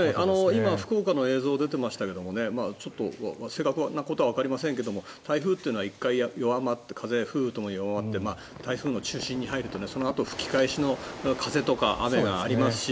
今、福岡の映像が出てましたけどちょっと正確なことはわかりませんが台風っていうのは１回弱まって風雨とも弱まって台風の中心に入るとそのあと吹き返しの雨や風がありますし。